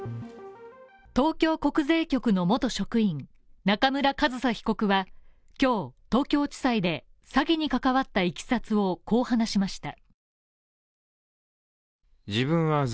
東京国税局の元職員、中村上総被告は今日、東京地裁で詐欺に関わったいきさつをこう話しました。